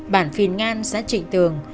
bản phiền ngan xã trịnh tường